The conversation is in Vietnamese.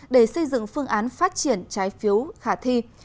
để xây dựng phương án phát triển trái phiếu khả thi